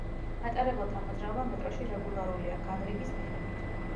მატარებელთა მოძრაობა მეტროში რეგულარულია, განრიგის მიხედვით.